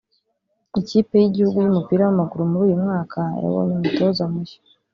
Ikipe y’igihugu y’umupira w’amaguru muri uyu mwaka yabonye umutoza mushya